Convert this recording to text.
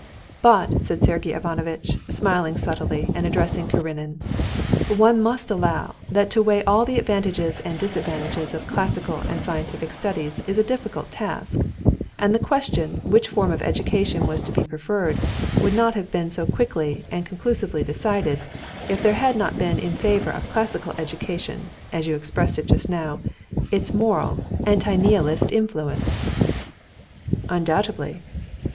"But," said Sergey Ivanovitch, smiling subtly, and addressing Karenin, "One must allow that to weigh all the advantages and disadvantages of classical and scientific studies is a difficult task, and the question which form of education was to be preferred would not have been so quickly and conclusively decided if there had not been in favor of classical education, as you expressed it just now, its moral—disons le mot—anti nihilist influence." "Undoubtedly."